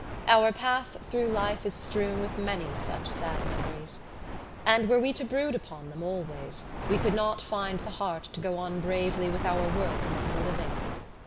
Our path through life is strewn with many such sad memories: and were we to brood upon them always we could not find the heart to go on bravely with our work among the living.